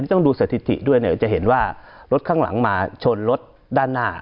ต้องดูสถิติด้วยเนี่ยจะเห็นว่ารถข้างหลังมาชนรถด้านหน้า